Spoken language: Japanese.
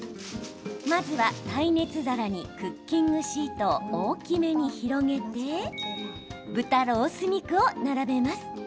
まずは耐熱皿にクッキングシートを大きめに広げて豚ロース肉を並べます。